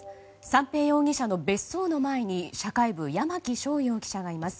三瓶容疑者の別荘の前に社会部、山木翔遥記者がいます。